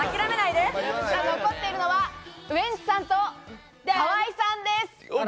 残っているのはウエンツさんと河井さんです。